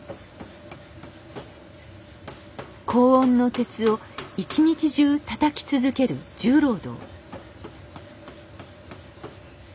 高温の鉄を一日中たたき続ける重労働。